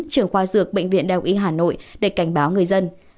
trưởng khoa dược bệnh viện đào y hà nội để cảnh báo người dân